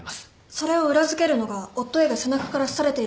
それを裏付けるのが夫Ａが背中から刺されていることです。